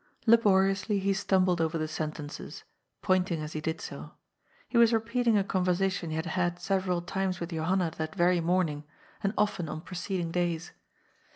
Laboriously he stumbled over the sentences, pointing as he did so. He was repeating a conversation he had had several times with Johanna that very morning, and often on preceding days.